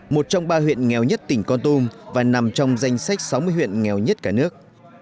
một trong ba huyện nghèo nhất tỉnh con tum và nằm trong danh sách sáu mươi huyện nghèo nhất cả nước